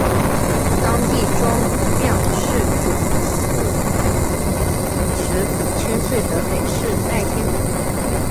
当地庄庙是主祀池府千岁的北势代天府。